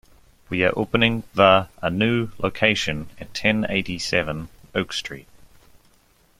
We are opening the a new location at ten eighty-seven Oak Street.